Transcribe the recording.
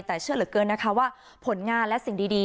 แต่เชื่อเหลือเกินนะคะว่าผลงานและสิ่งดี